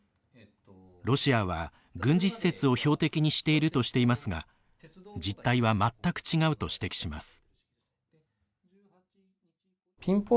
ロシアは、軍事施設を標的にしているとしていますが実態は全く違うと指摘します。